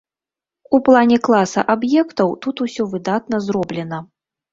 У плане класа аб'ектаў тут усё выдатна зроблена.